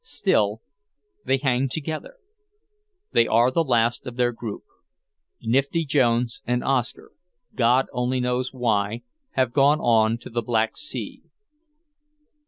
Still, they hang together. They are the last of their group. Nifty Jones and Oscar, God only knows why, have gone on to the Black Sea.